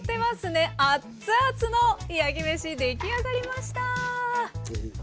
熱々の焼き飯出来上がりました。